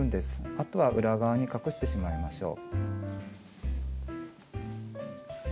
あとは裏側に隠してしまいましょう。